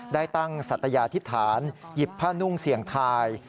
ได้ตั้งสัตยาธิษฐานหยิบผ้านุ่งเสี่ยงทาย